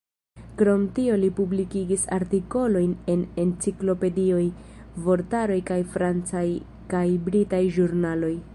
Krom tio li publikigis artikolojn en enciklopedioj, vortaroj kaj francaj kaj britaj ĵurnaloj.